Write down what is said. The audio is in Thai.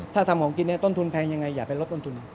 ถ้าทำของกินต้นทุนแพงยังไงอย่าไปลดต้นทุน